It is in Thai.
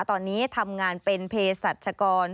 ตอนนี้ทำงานเป็นเพศรัชกร